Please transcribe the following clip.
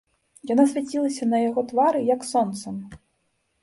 Яна свяцілася на яго твары, як сонца.